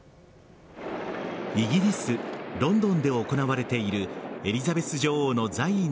イギリス・ロンドンで行われているエリザベス女王の在位